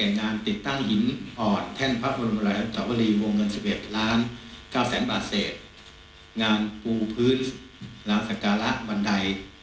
งานปูพื้นหลางสากระบันได